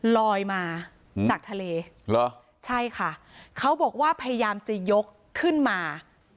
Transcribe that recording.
ลอยมาจากทะเลเหรอใช่ค่ะเขาบอกว่าพยายามจะยกขึ้นมา